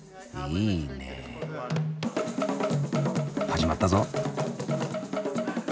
始まったぞ。